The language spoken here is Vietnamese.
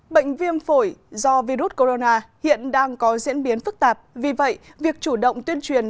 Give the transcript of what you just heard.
bệnh viêm phổi do virus corona hiện đang có diễn biến phức tạp vì vậy việc chủ động tuyên truyền